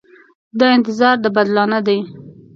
دا انتظار د بدلانه دی.